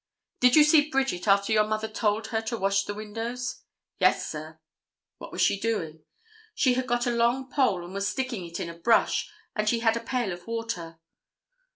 "Did you see Bridget after your mother told her to wash the windows?" "Yes, sir." "What was she doing?" "She had got a long pole and was sticking it in a brush, and she had a pail of water."